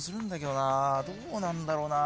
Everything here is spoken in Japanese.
どうなんだろうな？